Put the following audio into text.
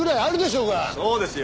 そうですよ。